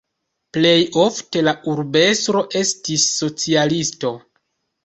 Plej ofte la urbestro estis socialisto.